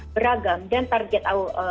beragam dan target